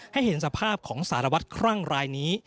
เห็นสภาพของสารวัตรคลั่งรายนี้